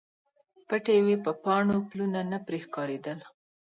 پټې وې په پاڼو، پلونه نه پرې ښکاریدل